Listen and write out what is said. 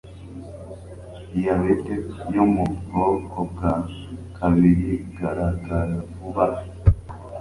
Diabete yo mu bwoko bwa kabiriigaragaravuba